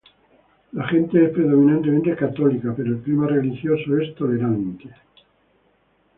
La gente es predominantemente católica pero el clima religioso es tolerante.